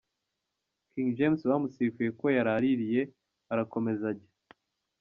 King James bamusifuye ko yararariye arakomeza ajya.